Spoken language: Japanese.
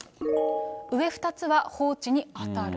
上２つは放置に当たる。